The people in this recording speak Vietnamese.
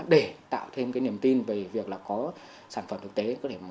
để tạo thêm niềm tin về việc có sản phẩm thực tế